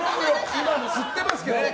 今も吸ってますけど。